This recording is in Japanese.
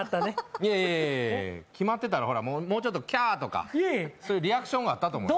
いやいや、決まってたらもうちょっとキャーとかリアクションがあったと思うで。